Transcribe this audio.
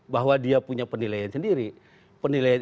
bahwa dia punya penilaian sendiri